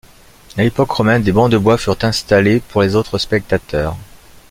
À l'époque romaine, des bancs de bois furent installés pour les autres spectateurs.